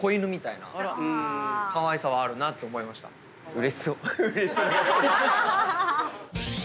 うれしそう。